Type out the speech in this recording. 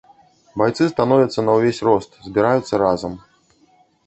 Байцы становяцца на ўвесь рост, збіраюцца разам.